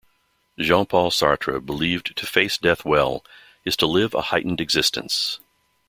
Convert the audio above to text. Jean-Paul Sartre believed to face death well is to live a heightened existence.